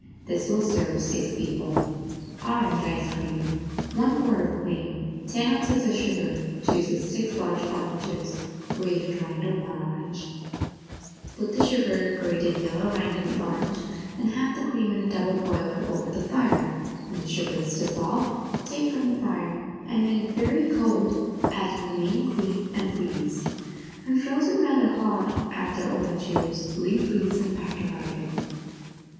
This will serve six people. ORANGE ICE CREAM 1 quart of cream 10 ounces of sugar Juice of 6 large oranges Grated rind of one orange Put the sugar, grated yellow rind of the orange and half the cream in a double boiler over the fire; when the sugar is dissolved, take from the fire, and, when very cold, add the remaining cream, and freeze. When frozen rather hard, add the orange juice, refreeze, and pack to ripen.